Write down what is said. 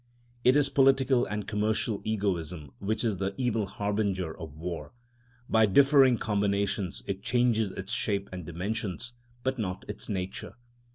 It is political and commercial egoism which is the evil harbinger of war. By different combinations it changes its shape and dimensions, but not its nature.